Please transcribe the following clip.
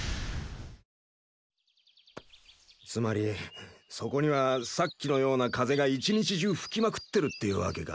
つまりそこにはさっきのような風が１日中吹きまくってるっていうわけか？